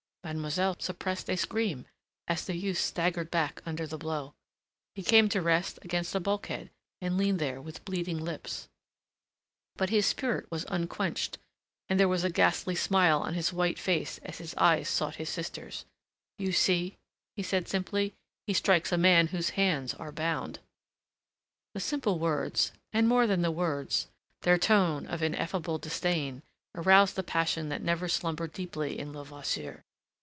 Mademoiselle suppressed a scream, as the youth staggered back under the blow. He came to rest against a bulkhead, and leaned there with bleeding lips. But his spirit was unquenched, and there was a ghastly smile on his white face as his eyes sought his sister's. "You see," he said simply. "He strikes a man whose hands are bound." The simple words, and, more than the words, their tone of ineffable disdain, aroused the passion that never slumbered deeply in Levasseur.